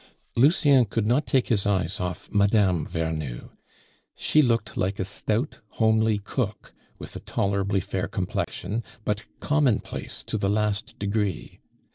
Lucien could not take his eyes off Mme. Vernou. She looked like a stout, homely cook, with a tolerably fair complexion, but commonplace to the last degree.